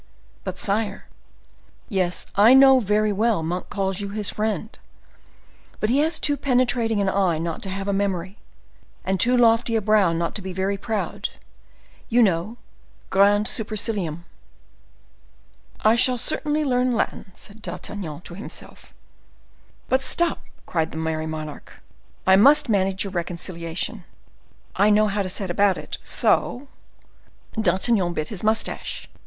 "But, sire—" "Yes, I know very well Monk calls you his friend, but he has too penetrating an eye not to have a memory, and too lofty a brow not to be very proud, you know, grande supercilium." "I shall certainly learn Latin," said D'Artagnan to himself. "But stop," cried the merry monarch, "I must manage your reconciliation; I know how to set about it; so—" D'Artagnan bit his mustache.